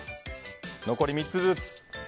残り３つずつ。